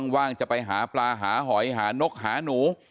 ว่างจะไปหาปลาหาหอยหานกหาหนู